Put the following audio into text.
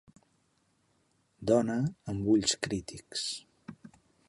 Dona, amb ulls crítics.